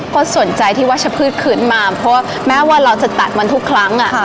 ก็สนใจในวัชพฤษขึ้นมาเพราะว่าแม้ว่าเราจะตัดมันทุกครั้งอ่ะ